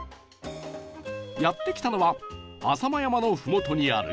やって来たのは浅間山のふもとにある